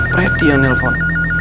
pretty yang nelfon